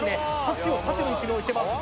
箸を縦の位置に置いてます